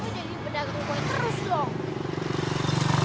papa jadi pedagang gue terus dong